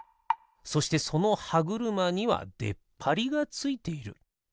そしてそのはぐるまにはでっぱりがついている。